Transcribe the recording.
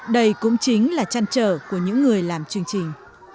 đây cũng chính là trăn trở của những người làm chương trình